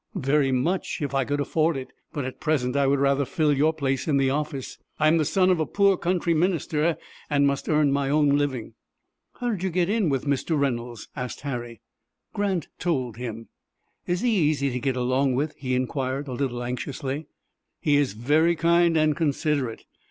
"Very much, if I could afford it, but at present I would rather fill your place in the office. I am the son of a poor country minister, and must earn my own living." "How did you get in with Mr. Reynolds?" asked Harry. Grant told him. "Is he easy to get along with?" he inquired, a little anxiously. "He is very kind and considerate.